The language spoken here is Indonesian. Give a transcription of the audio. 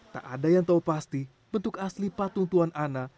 tak ada yang tahu pasti bentuk asli patung tuan ana